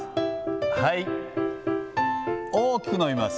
はい、大きく伸びます。